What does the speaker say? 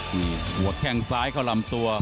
มีหัวแข้งซ้ายเข้าลำตัว